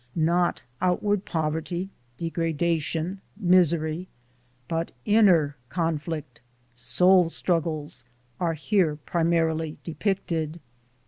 Not outward poverty, degrada tion, misery; but inner conflict, soul struggles are here primarily depicted.